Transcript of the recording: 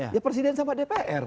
dia presiden sama dpr